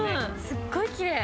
すっごいきれい。